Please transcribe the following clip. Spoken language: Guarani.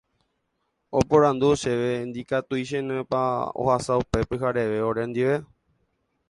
Oporandu chéve ndikatuichénepa ohasa upe pyhareve orendive.